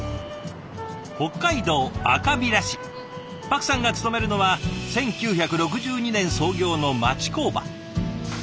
パクさんが勤めるのは１９６２年創業の町工場。